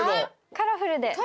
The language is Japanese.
カラフルですね。